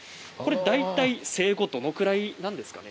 大体、生後どれくらいなんですか。